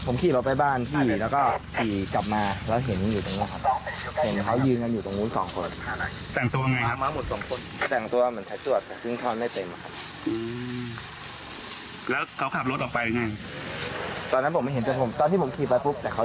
ไม่เห็นคนเจ็บเพราะเขามองหน้ามามึงว่ามีอะไรรึเปล่า